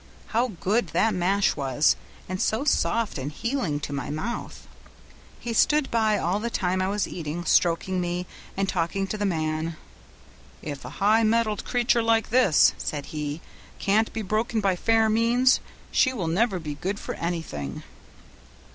How good that mash was! and so soft and healing to my mouth. He stood by all the time I was eating, stroking me and talking to the man. 'If a high mettled creature like this,' said he, 'can't be broken by fair means, she will never be good for anything.'